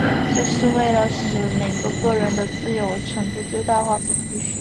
这是为了使每个个人的自由程度最大化所必需的。